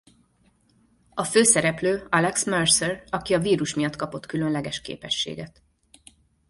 A főszereplő Alex Mercer aki a vírus miatt kapott különleges képességet.